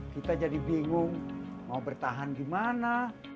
kita jadi bingung mau bertahan di mana